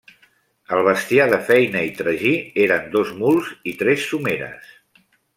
El bestiar de feina i tragí eren dos muls i tres someres.